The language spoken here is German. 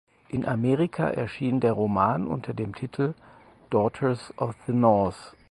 In America erschien der Roman unter dem Titel "Daughters of the North".